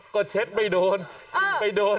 ก็เช็ดไม่โดนไม่โดน